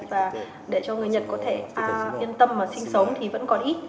và để cho người nhật có thể yên tâm và sinh sống thì vẫn còn ít